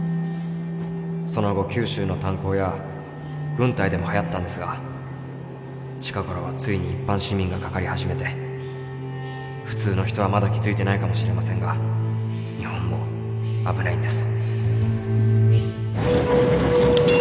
その後九州の炭鉱や軍隊でもはやったんですが近頃はついに一般市民がかかり始めて普通の人はまだ気付いてないかもしれませんが日本も危ないんです。